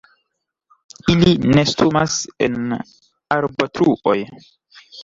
Ili nestumas en arbotruoj.